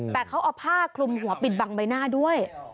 แต่เขาเอาผ้าคลุมหัวปิดบังใบหน้าด้วย